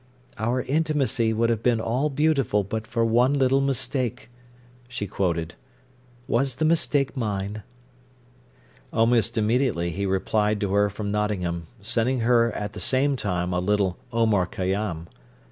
"'Our intimacy would have been all beautiful but for one little mistake,'" she quoted. "Was the mistake mine?" Almost immediately he replied to her from Nottingham, sending her at the same time a little "Omar Khayyám."